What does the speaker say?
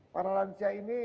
para lansia ini